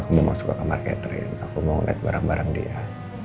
aku mau masuk ke kamar catherine aku mau ngeliat barang barang dia